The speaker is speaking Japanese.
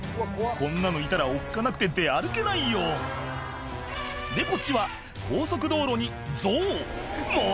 こんなのいたらおっかなくて出歩けないよでこっちは高速道路にゾウもう！